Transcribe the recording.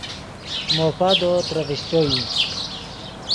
مو پادو ترے ڤیشچو ای